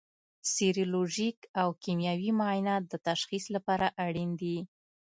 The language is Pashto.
سیرولوژیک او کیمیاوي معاینات د تشخیص لپاره اړین دي.